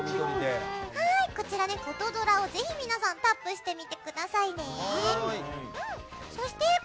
こちらでフォトドラをぜひ皆さんタップしてみてくださいね。